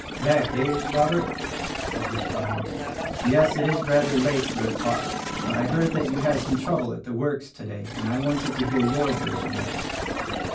"Back, eh! Robert?" said his father, "Yes, it is rather late for a talk; but I heard that you had some trouble at the works today, and I wanted to hear your version of it."